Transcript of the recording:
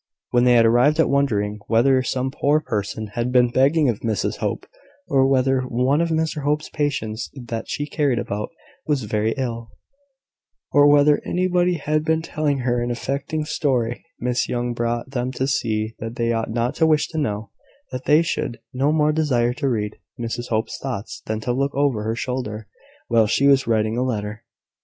When they had arrived at wondering whether some poor person had been begging of Mrs Hope, or whether one of Mr Hope's patients that she cared about was very ill, or whether anybody had been telling her an affecting story, Miss Young brought them to see that they ought not to wish to know; that they should no more desire to read Mrs Hope's thoughts than to look over her shoulder while she was writing a letter.